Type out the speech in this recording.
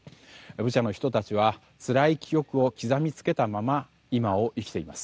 ブチャの人たちはつらい記憶を刻み付けたまま今を生きています。